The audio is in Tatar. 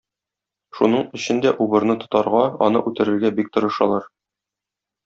Шуның өчен дә убырны тотарга, аны үтерергә бик тырышалар.